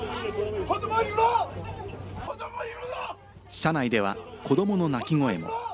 車内では子どもの泣き声も。